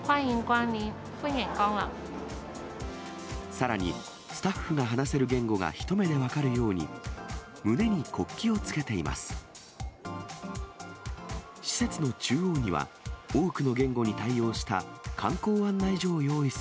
さらに、スタッフが話せる言語が一目で分かるように、胸に国旗をつけています。